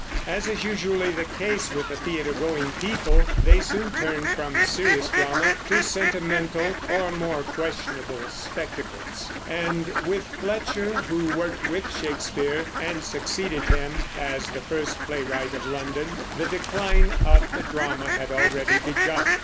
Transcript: As is usually the case with a theater going people, they soon turned from serious drama to sentimental or more questionable spectacles; and with Fletcher, who worked with Shakespeare and succeeded him as the first playwright of London, the decline of the drama had already begun.